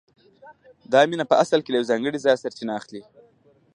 دا مینه په اصل کې له یو ځانګړي ځایه سرچینه اخلي